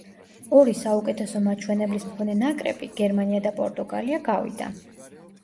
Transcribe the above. ორი საუკეთესო მაჩვენებლის მქონე ნაკრები, გერმანია და პორტუგალია, გავიდა.